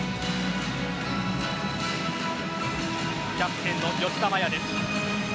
キャプテンの吉田麻也です。